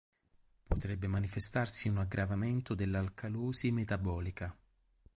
Potrebbe manifestarsi un aggravamento dell'alcalosi metabolica.